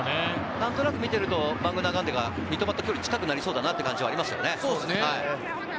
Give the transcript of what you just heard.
何となく見てるとバングーナガンデが三笘と距離が近くなりそうだなっていうのがありますね。